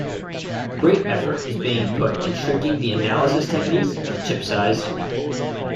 Great effort is being put in shrinking the analysis techniques to chip size.